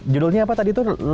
judulnya apa tadi tuh